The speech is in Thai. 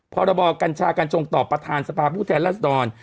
พรบกัญชาการจงตอบประธานสภาพุทธแทนรัฐดร